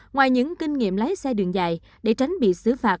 ngoài những kinh nghiệm lái xe đường dài để tránh bị xử phạt